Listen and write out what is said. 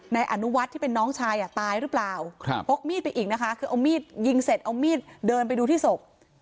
นายอนุวัฒน์ที่เป็นน้องชายอ่ะตายหรือเปล่าพกมีดไปอีกนะคะคือเอามีดยิงเสร็จเอามีดเดินไปดูที่ศพ